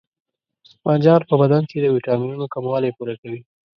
بانجان په بدن کې د ویټامینونو کموالی پوره کوي.